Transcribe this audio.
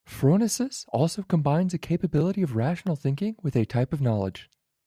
"Phronesis" also combines a capability of rational thinking, with a type of knowledge.